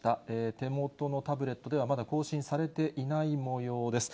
手元のタブレットでは、まだ更新されていないもようです。